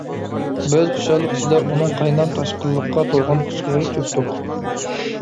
بىز خۇشاللىق ئىچىدە ئۇنىڭ قاينام-تاشقىنلىققا تولغان قۇچىقىغا چۆكتۇق.